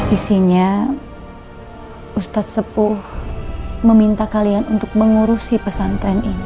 isinya ustadz sepuh meminta kalian untuk mengurusi pesantren ini